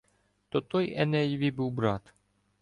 То той Енеєві був брат.